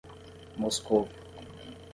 Moscovo